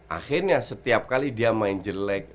akhirnya setiap kali dia main jelek